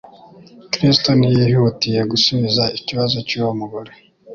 Kristo ntiyihutiye gusubiza ikibazo cy'uwo mugore.